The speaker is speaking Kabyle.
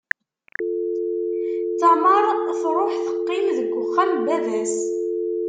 Tamar tṛuḥ, teqqim deg wexxam n baba-s.